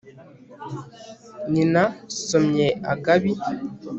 nyina somye agabi